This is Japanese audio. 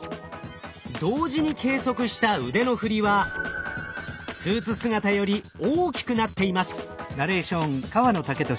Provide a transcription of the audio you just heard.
同時に計測した腕の振りはスーツ姿より大きくなっています。